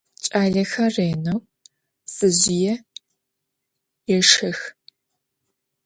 Ç'alexer rêneu ptsezjıê yêşşex.